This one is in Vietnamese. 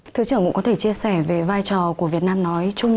thứ trưởng cũng có thể chia sẻ về vai trò của việt nam nói chung